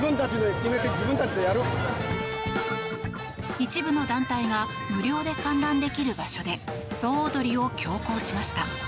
一部の団体が無料で観覧できる場所で、総踊りを強行しました。